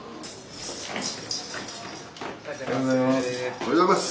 おはようございます。